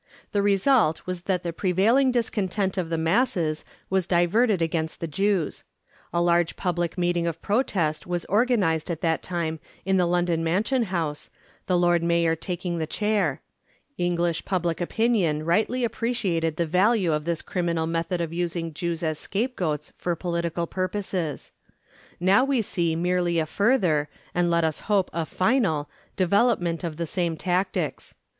The result was that the prevailing discontent of the masses was diverted against the Jews. A large public meeting of protest was organised at that time in the London Mansion House, the Lord Mayor taking the chair. English public opinion rightly appreciated the value of this criminal method of using Jews as scapegoats for political purposes. Now we see merely a further, and let us hope a final, development of the same tactics.